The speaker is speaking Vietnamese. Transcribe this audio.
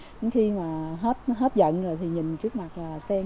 nhưng khi mà hết hết giận rồi thì nhìn trước mặt mình là sen